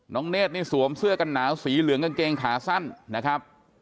เนธนี่สวมเสื้อกันหนาวสีเหลืองกางเกงขาสั้นนะครับ